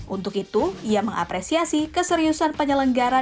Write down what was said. untuk itu ia mengapresiasi keseriusan penyelenggara